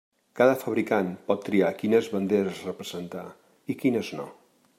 Cada fabricant pot triar quines banderes representar, i quines no.